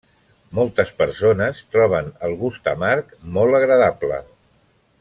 Moltes persones troben el gust amarg molt agradable.